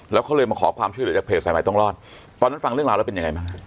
แล้วเขาเลยมาขอความช่วยเหลือจากเพจสายใหม่ต้องรอดตอนนั้นฟังเรื่องราวแล้วเป็นยังไงบ้างฮะ